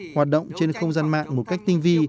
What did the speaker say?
hoạt động trên không gian mạng một cách tinh vi